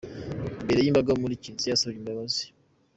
Imbere y’imbaga mu kiriziya yasabye imbabazi.